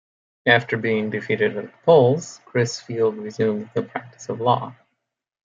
After being defeated at the polls, Crisfield resumed the practice of law.